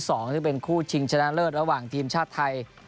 ซึ่งเป็นคู่ชิงชนะเลิศระหว่างทีมชาติไทย